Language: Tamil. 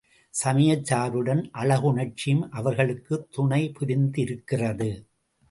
சமயச் சார்புடன் அழகுணர்ச்சியும் அவர்களுக்குத் துணை புரிந்திருக்கிறது.